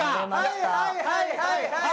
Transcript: はいはいはいはい！